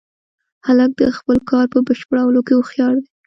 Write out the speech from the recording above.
هلک د خپل کار په بشپړولو کې هوښیار دی.